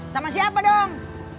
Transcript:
sama siapa dong